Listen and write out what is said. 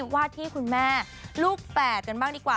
ว่าที่คุณแม่ลูกแฝดกันบ้างดีกว่า